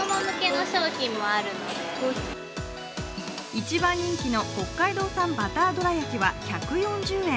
一番人気の北海道産バターどらやきは１４０円。